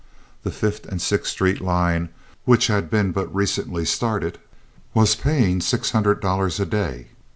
The Fifth and Sixth Street line, which had been but recently started, was paying six hundred dollars a day.